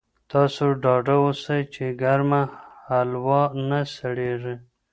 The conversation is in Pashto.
تاسو ډاډه اوسئ چې ګرمه هلوا نه سړېږي.